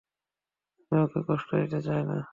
আমি ওকে কষ্ট দিতে চাই না।